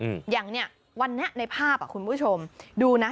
อืมอย่างเนี้ยวันนี้ในภาพอ่ะคุณผู้ชมดูนะ